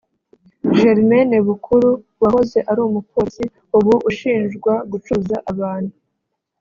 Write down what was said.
Germaine Bukuru wahoze ari umupolisi ubu ushinjwa gucuruza abantu